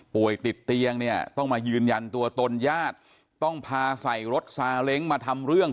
ติดเตียงเนี่ยต้องมายืนยันตัวตนญาติต้องพาใส่รถซาเล้งมาทำเรื่อง